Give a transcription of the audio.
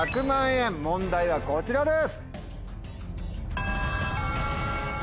問題はこちらです！